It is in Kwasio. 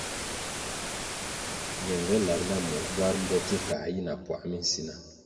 Ñenge lab na mur bwar mboti kā yi na puā minsina.